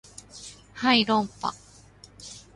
はい論破